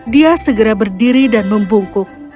dia segera berdiri dan membungkuk